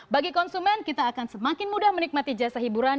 bagi konsumen kita akan semakin mudah menikmati jasa hiburan